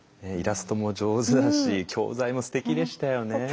イラストも上手だし教材もすてきでしたよね。